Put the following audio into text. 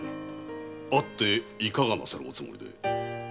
会っていかがなされるおつもりで？